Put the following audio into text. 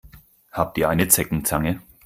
Habt ihr eine Zeckenzange?